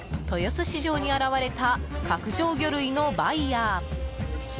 豊洲市場に現れた角上魚類のバイヤー。